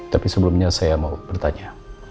tapi sebelumnya saya mau bertanya